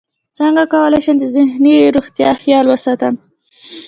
څنګه کولی شم د ذهني روغتیا خیال وساتم